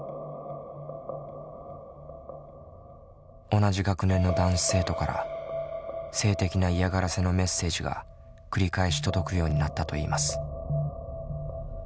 同じ学年の男子生徒から性的な嫌がらせのメッセージが繰り返し届くようになったといいます。